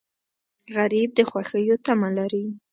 غریب د خوښیو تمه لري